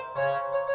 gak ada apa apa